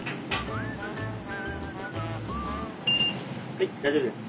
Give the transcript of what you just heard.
はい大丈夫です。